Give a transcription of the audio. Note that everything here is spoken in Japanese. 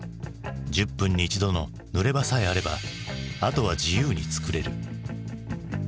１０分に１度の濡れ場さえあればあとは自由に作れる。